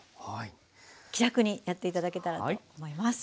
気楽にやって頂けたらと思います。